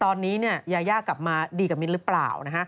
ตอนนี้ยายากลับมาดีกับมิ้นหรือเปล่า